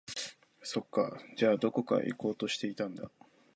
そっか、じゃあ、どこか行こうとしていたんだ